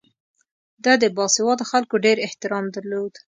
ده د باسواده خلکو ډېر احترام درلود.